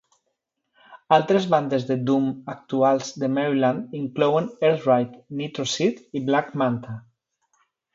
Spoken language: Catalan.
Altres bandes de "doom" actuals de Maryland inclouen Earthride, Nitroseed i Black Manta.